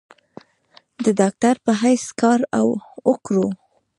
د ډاکټر پۀ حېث کار اوکړو ۔